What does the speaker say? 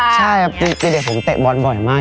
ใช่ครับปีเด็กผมเตะบอลบ่อยมาก